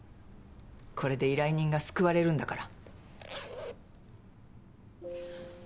これで依頼人が救われるんだから。